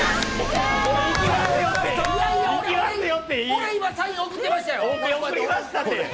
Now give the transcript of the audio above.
俺、今、サイン送ってましたよ。